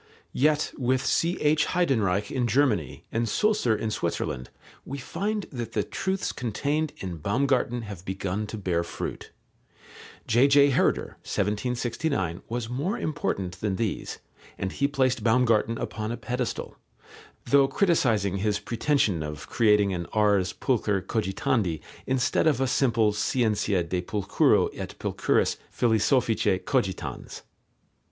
Yet with C.H. Heydenreich in Germany and Sulzer in Switzerland we find that the truths contained in Baumgarten have begun to bear fruit. J.J. Herder (1769) was more important than these, and he placed Baumgarten upon a pedestal, though criticizing his pretension of creating an ars pulchre cogitandi instead of a simple scientia de pulchro et pulchris philosophice cogitans.